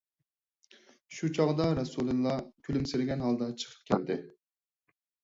شۇ چاغدا رەسۇلىللا كۈلۈمسىرىگەن ھالدا چىقىپ كەلدى.